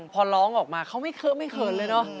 พอร้องออกมาเขาไม่เค๋อไม่เคลินเลยเนอะ